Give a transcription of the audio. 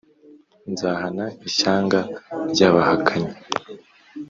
nzahana ishyanga ry abahakanyi